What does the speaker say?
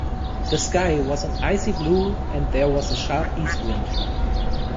The sky was an icy blue, and there was a sharp East wind